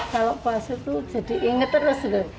kalau puasa itu jadi ingat terus